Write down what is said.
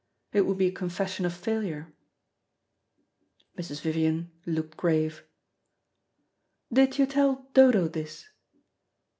It would be a confession of failure." Mrs. Vivian looked grave. "Did you tell Dodo this?"